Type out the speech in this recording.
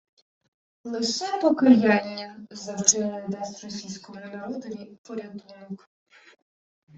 Лише Покаяння за вчинене дасть російському народові порятунок